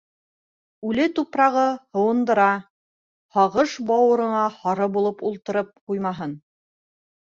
- Үле тупрағы һыуындыра, һағыш бауырыңа һары булып ултырып ҡуймаһын.